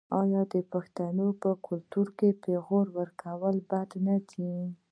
آیا د پښتنو په کلتور کې د پیغور ورکول بد نه دي؟